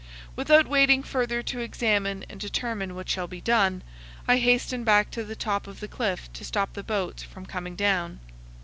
Without waiting further to examine and determine what shall be done, I hasten back to the top of the cliff to stop the boats from coming down.